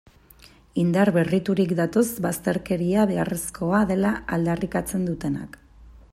Indar berriturik datoz bazterkeria beharrezkoa dela aldarrikatzen dutenak.